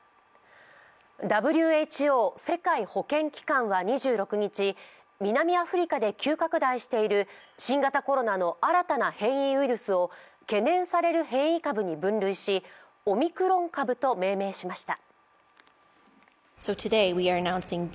ＷＨＯ＝世界保健機関は２６日、南アフリカで急拡大している新型コロナの新たな変異ウイルスを、懸念される変異株に分類しオミクロン株と命名しました。